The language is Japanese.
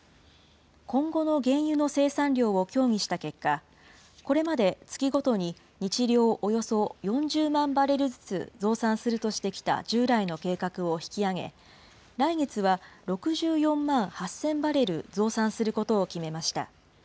今後の原油の生産量を協議した結果、これまで月ごとに日量およそ４０万バレルずつ増産するとしてきた従来の計画を引き上げ、来月は６４万８０００バレル増産することを決めました。